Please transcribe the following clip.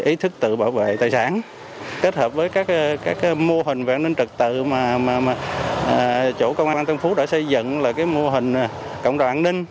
ý thức tự bảo vệ tài sản kết hợp với các mô hình về an ninh trật tự mà chủ công an tân phú đã xây dựng là mô hình cộng đoàn an ninh